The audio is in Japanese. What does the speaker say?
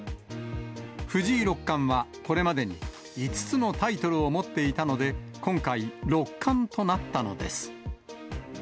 藤井六冠はこれまでに５つのタイトルを持っていたので、今回、六冠となったのです。